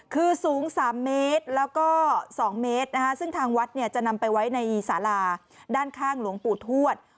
คือสูง๓เมตรแล้วก็๒เมตรซึ่งทางวัดจะนำไปไว้ในสาราด้านข้างหลวงปู่ทวด